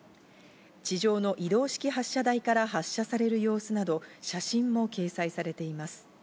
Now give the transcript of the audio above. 地上の移動式発射台から発射される様子など写真も掲載されています。